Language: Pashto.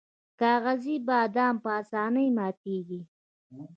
کاغذي بادام په اسانۍ ماتیږي.